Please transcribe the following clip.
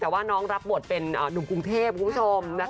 แต่ว่าน้องรับโหมดเป็นหนุ่มกรุงเทพครุกคุณผู้ชมนะคะ